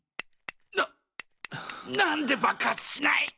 な何で爆発しない！？